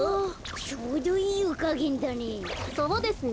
ちょうどいいゆかげんだね。